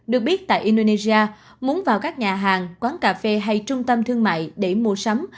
được biết tại indonesia muốn vào các nhà hàng quán cà phê hay trung tâm thương mại để mua sắm